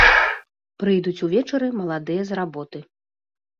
Прыйдуць увечары маладыя з работы.